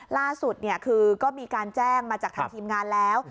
ล่าสุดคือก็มีการแจ้งมาจากทางทีมงานแล้ว